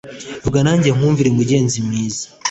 Vuga najye nkumvire murengezi mwiza